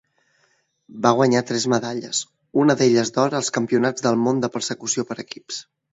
Va guanyar tres medalles, una d'elles d'or, als Campionats del món de persecució per equips.